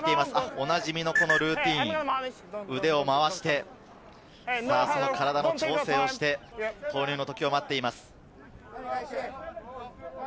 おなじみのルーティン、腕を回して体の調整をして、投入の時を待っています。